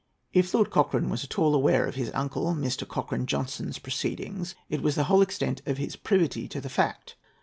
If Lord Cochrane was at all aware of his uncle Mr. Cochrane Johnstone's proceedings, it was the whole extent of his privity to the fact.